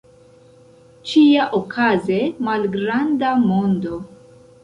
Ĉiaokaze, malgranda mondo.